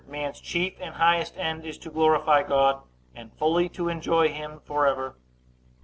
Man's chief and highest end is to glorify God, and fully to enjoy him forever.